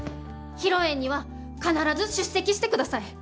披露宴には必ず出席してください！